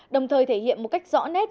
đồng thời thể hiện một cách rõ nét